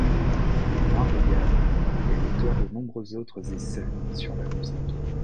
Marliave est l'auteur de nombreux autres essais sur la musique.